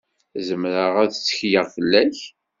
Zemreɣ ad ttekleɣ fell-ak?